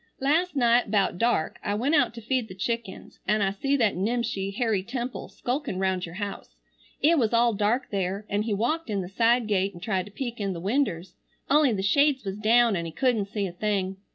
"Last night 'bout dark I went out to feed the chickens, an' I see that nimshi Harry Temple skulkin round your house. It was all dark there, an he walked in the side gate and tried to peek in the winders, only the shades was down an he couldn't see a thing.